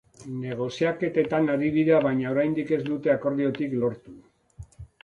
Negoziaketetan ari dira baina oraindik ez dute akordiotik lortu.